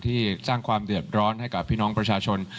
ที่สร้างความเดือดร้อนให้กับพี่น้องประชาชน